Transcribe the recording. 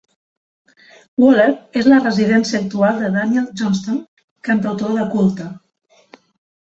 Waller és la residència actual de Daniel Johnston, cantautor de culte.